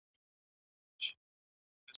هغې خپله چوپتیا ماته نه کړه.